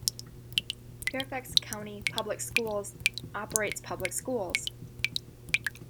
Fairfax County Public Schools operates public schools.